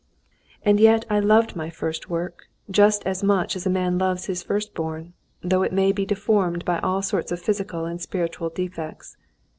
And yet I loved my first work, just as much as a man loves his first born, though it may be deformed by all sorts of physical and spiritual defects.